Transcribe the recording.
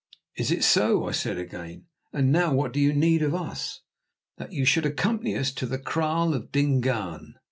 "Is it so?" I said again. "And now what do you need of us?" "That you should accompany us to the kraal of Dingaan."